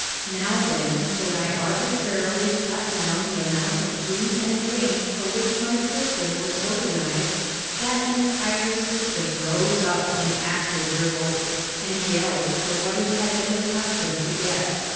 Now, then, when I arbitrarily cut down the amount of food and drink for which my system was organized that entire system rose up in active revolt and yelled for what it had been accustomed to get.